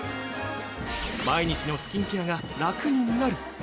毎日のスキンケアが楽になる。